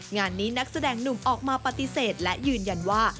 งานนี้นักแสดงหนุ่มออกมาปฏิเสธและยืนยันว่า